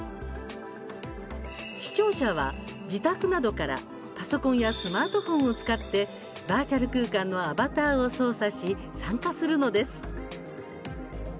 視聴者は自宅などからパソコンやスマートフォンを使ってバーチャル空間のアバターを操作し、参加するのです。